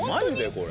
これ。